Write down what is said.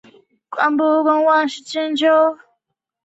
久保刺铠虾为铠甲虾科刺铠虾属下的一个种。